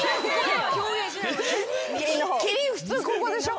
キリン普通ここでしょ。